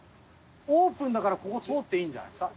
「ＯＰＥＮ」だからここ通っていいんじゃないですか？